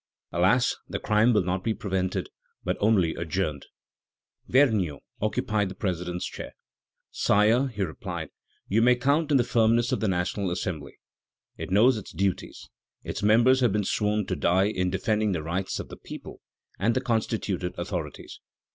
Alas! the crime will not be prevented, but only adjourned. Vergniaud occupied the president's chair. "Sire," he replied, "you may count on the firmness of the National Assembly. It knows its duties; its members have sworn to die in defending the rights of the people and the constituted authorities."